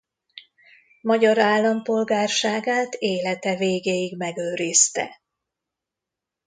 Magyar állampolgárságát élete végéig megőrizte.